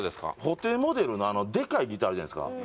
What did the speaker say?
布袋モデルのあのデカいギターあるじゃないですか